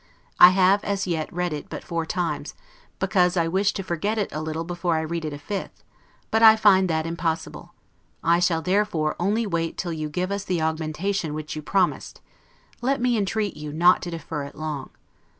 I have as yet read it but four times, because I wish to forget it a little before I read it a fifth; but I find that impossible: I shall therefore only wait till you give us the augmentation which you promised; let me entreat you not to defer it long.